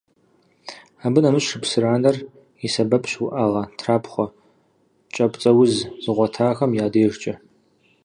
Абы нэмыщӏ шыпсыранэр и сэбэпщ уӏэгъэ, трапхъуэ, кӏапцӏэуз зыгъуэтахэм я дежкӏэ.